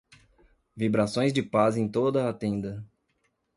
vibrações de paz em toda a tenda.